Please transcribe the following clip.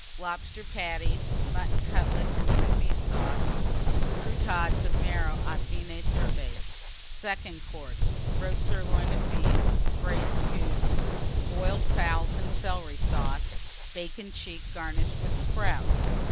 Lobster Patties. Mutton Cutlets and Soubise Sauce. Croûtades of Marrow aux fines herbes. SECOND COURSE. Roast Sirloin of Beef. Braised Goose. Boiled Fowls and Celery Sauce. Bacon cheek, garnished with Sprouts.